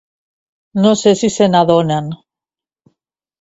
No sé si se n’adonen.